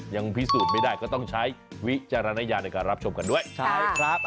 ยังพิสูจน์ไม่ได้ก็ต้องใช้วิจารณญาณในการรับชมกันด้วยใช่ครับ